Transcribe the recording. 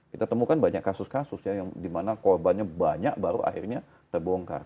kita temukan banyak kasus kasus yang dimana korbannya banyak baru akhirnya terbongkar